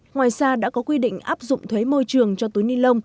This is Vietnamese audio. ngoài ra đã có quy định áp dụng thuế môi trường cho túi ni lông